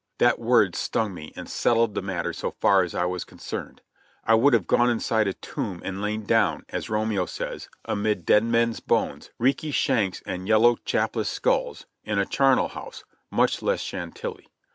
That word stung me and settled the matter so far as I was concerned. I would have gone inside a tomb and lain down, as Romeo says, "amid dead men's bones, reeky shanks and yellow, chapless skulls" in a charnel house, much less Chantilly.